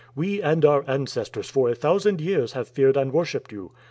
We and our ances tor for a thousand years have feared and worshipped you.